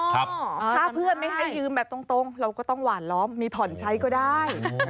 ถ้าเพื่อนไม่ให้ยืมแบบตรงเราก็ต้องหวานล้อมมีผ่อนใช้ก็ได้